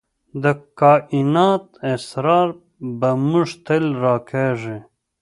د کائنات اسرار به موږ تل راکاږي.